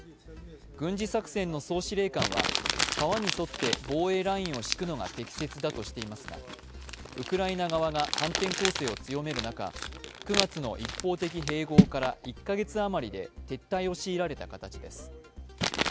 軍事作戦の総司令官は川に沿って防衛ラインを敷くのが適切だとしていますがウクライナ側が反転攻勢を強める中９月の一方的併合から１か月余りで撤退を強いられた形です。